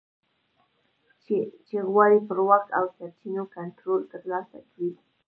چې غواړي پر واک او سرچینو کنټرول ترلاسه کړي